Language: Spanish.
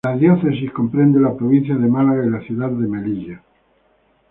La diócesis comprende la provincia de Málaga y la ciudad de Melilla.